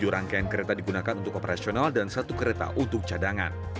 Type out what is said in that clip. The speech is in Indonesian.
tujuh rangkaian kereta digunakan untuk operasional dan satu kereta untuk cadangan